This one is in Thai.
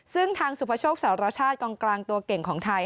ซึ่งทางสุพโชคสารชาติกองกลางตัวเก่งของไทย